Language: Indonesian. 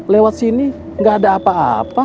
lewat sini gak ada apa apa